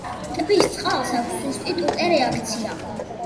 ტბის წყალს აქვს სუსტი ტუტე რეაქცია.